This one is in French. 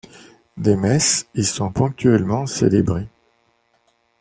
Des messes y sont ponctuellement célébrées.